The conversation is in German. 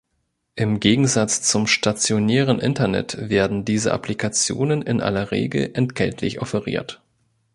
Im Gegensatz zum stationären Internet werden diese Applikationen in aller Regel entgeltlich offeriert.